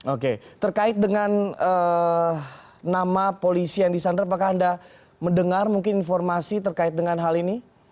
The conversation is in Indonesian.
oke terkait dengan nama polisi yang disandar apakah anda mendengar mungkin informasi terkait dengan hal ini